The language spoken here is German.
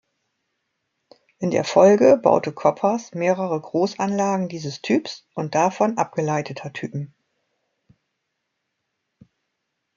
In der Folge baute Koppers mehrere Großanlagen dieses Typs und davon abgeleiteter Typen.